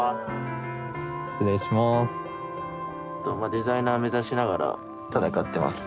デザイナー目指しながら闘ってます。